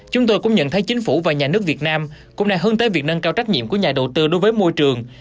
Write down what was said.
chúng tôi cũng nhận thấy chính phủ và nhà nước việt nam cũng đang hướng tới việc nâng cao trách nhiệm của nhà đầu tư đối với môi trường